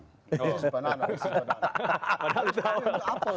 oh itu adalah pisang